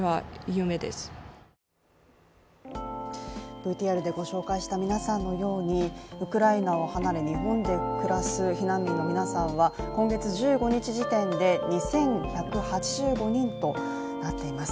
ＶＴＲでご紹介した皆さんのようにウクライナを離れ日本で暮らす避難民の皆さんは今月１５日時点で２１８５人となっています。